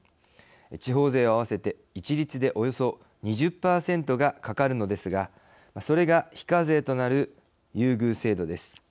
地方税を合わせて一律でおよそ２０％がかかるのですがそれが非課税となる優遇制度です。